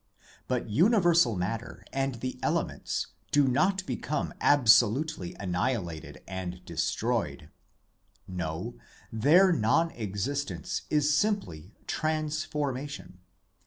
But universal matter and the elements do not become absolutely annihilated and destroyed : no, their non existence is simply trans formation.